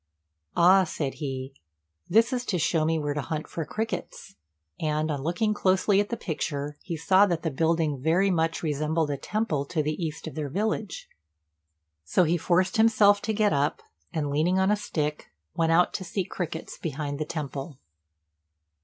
"Ah," said he, "this is to shew me where to hunt for crickets;" and, on looking closely at the picture, he saw that the building very much resembled a temple to the east of their village. So he forced himself to get up, and, leaning on a stick, went out to seek crickets behind the temple.